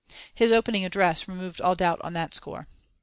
His opening address removed all doubt on that score.